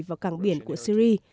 và cảng biển của syri